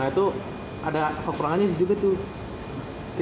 itu ada kekurangannya juga tuh